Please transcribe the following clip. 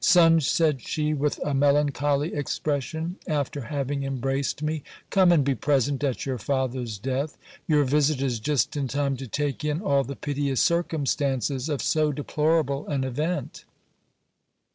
Son, said she, with a melancholy expression, after having embraced me, come and be present at your father's death ; your visit is just in time to take in all the piteous circum stances of so deplorable an event.